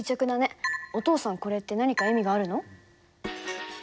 お父さんこれって何か意味があるの？